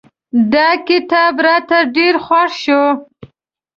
دا کتاب راته ډېر خوښ شو.